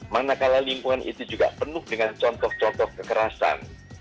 manakala lingkungan itu juga penuh dengan contoh contoh kekerasan